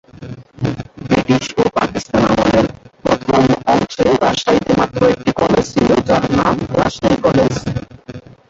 British ও পাকিস্তান আমলের প্রথম অংশে রাজশাহীতে মাত্র একটি কলেজ ছিলো যার নাম রাজশাহী কলেজ।